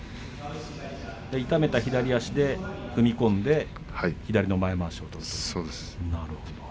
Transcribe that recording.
痛めた左足で踏み込んで左の前まわしを取るということなんですね。